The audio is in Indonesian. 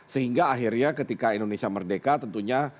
sehingga akhirnya ketika indonesia merdeka tentunya